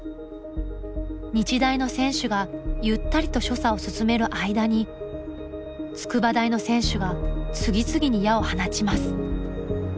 日大の選手がゆったりと所作を進める間に筑波大の選手が次々に矢を放ちます。